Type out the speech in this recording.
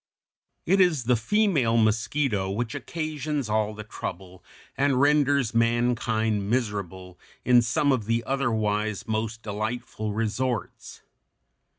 ] It is the female mosquito which occasions all the trouble and renders mankind miserable in some of the otherwise most delightful resorts.